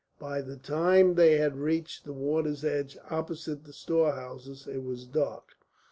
By the time they had reached the water's edge opposite the storehouses it was dark.